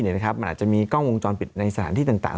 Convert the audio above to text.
มันอาจจะมีกล้องวงจรปิดในสถานที่ต่าง